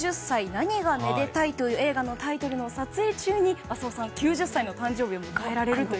何がめでたい」という映画のタイトルの撮影中に９０歳の誕生日を迎えられるという。